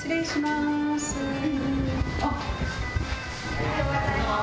おはようございます。